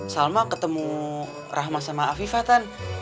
salma ketemu rahma sama afifatan